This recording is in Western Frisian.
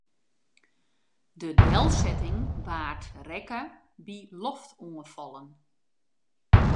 De delsetting waard rekke by loftoanfallen.